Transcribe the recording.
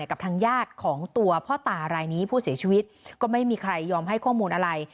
กับทางญาติของตัวพ่อตารายนี้ผู้เสียชีวิตก็ไม่มีใครยอมให้ข้อมูลอะไร